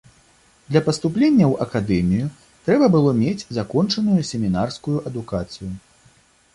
Для паступлення ў акадэмію трэба было мець закончаную семінарскую адукацыю.